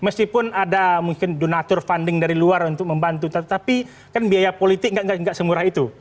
meskipun ada mungkin donatur funding dari luar untuk membantu tetapi kan biaya politik nggak semurah itu